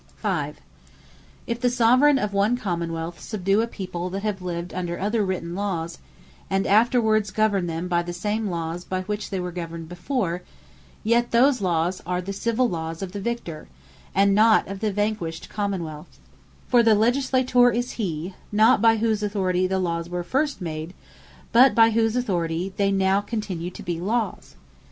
Provinciall Lawes Are Not Made By Custome, But By The Soveraign Power 5. If the Soveraign of one Common wealth, subdue a people that have lived under other written Lawes, and afterwards govern them by the same Lawes, by which they were governed before; yet those Lawes are the Civill Lawes of the Victor, and not of the Vanquished Common wealth, For the Legislator is he, not by whose authority the Lawes were first made, but by whose authority they now continue to be Lawes.